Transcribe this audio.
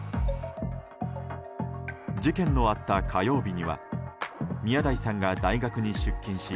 事件のあった火曜日には宮台さんが大学に出勤し